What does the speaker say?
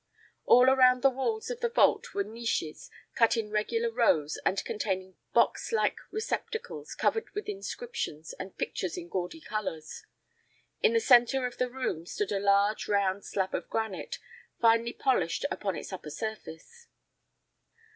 All around the walls of the vault were niches, cut in regular rows and containing box like receptacles covered with inscriptions and pictures in gaudy colors. In the center of the room stood a large round slab of granite, finely polished upon its upper surface.